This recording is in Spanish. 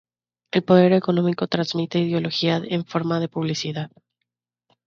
el poder económico transmite ideología en forma de publicidad